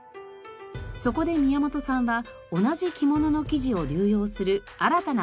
そこで宮本さんは同じ着物の生地を流用する新たな方法を考案。